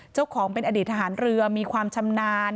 เจ้าของเป็นอดีตทหารเรือมีความชำนาญ